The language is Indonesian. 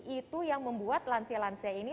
itu yang membuat lansia lansia ini